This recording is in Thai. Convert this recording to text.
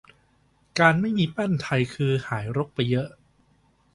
การไม่มีแป้นไทยคือหายรกไปเยอะ